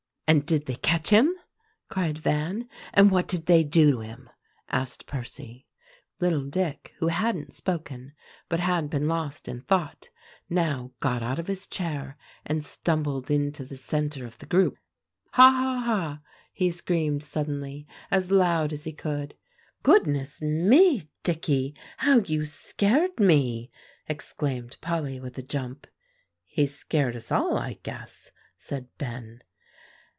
"And did they catch him?" cried Van. "And what did they do to him?" asked Percy. Little Dick, who hadn't spoken, but had been lost in thought, now got out of his chair, and stumbled into the centre of the group. "Ha, ha, ha!" he screamed suddenly, as loud as he could. "Goodness me, Dicky, how you scared me!" exclaimed Polly with a jump. "He scared us all, I guess," said Ben.